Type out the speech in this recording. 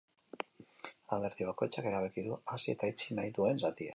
Alderdi bakoitzak erabaki du hasi eta itxi nahi duen zatia.